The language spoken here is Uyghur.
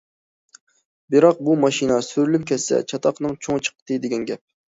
بىراق بۇ ماشىنا سۈرۈلۈپ كەتسە چاتاقنىڭ چوڭى چىقتى دېگەن گەپ.